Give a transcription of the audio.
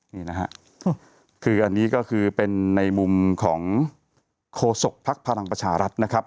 นี่นะฮะคืออันนี้ก็คือเป็นในมุมของโคศกภักดิ์พลังประชารัฐนะครับ